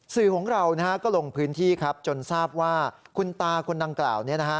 สื่อของเราก็ลงพื้นที่ครับจนทราบว่าคุณตาคนดังกล่าวนี้นะฮะ